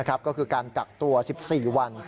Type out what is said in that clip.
ก็คือการกักตัว๑๔วัน